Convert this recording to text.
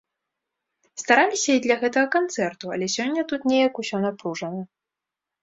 Стараліся і для гэтага канцэрту, але сёння тут неяк усё напружана.